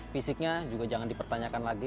fisiknya juga jangan dipertanyakan lagi